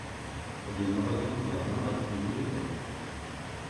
Ad iniɣ ihi: Lehna ad tili yid-m!